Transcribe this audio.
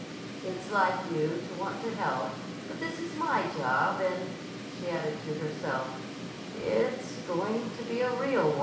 "It's like you to want to help. But this is my job. And," she added to herself, "it's going to be a real one."